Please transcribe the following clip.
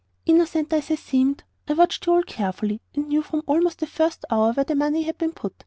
"Innocent as I seemed, I watched you all carefully, and knew from almost the first hour where the money had been put.